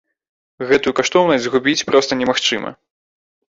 Гэтую каштоўнасць згубіць проста немагчыма.